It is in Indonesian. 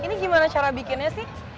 ini gimana cara bikinnya sih